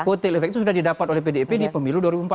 kotel efek itu sudah didapat oleh pdip di pemilu dua ribu empat belas